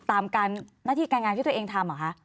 ตามการหน้าที่การงานที่ตัวเองทำเหรอคะ